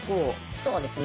そうですね。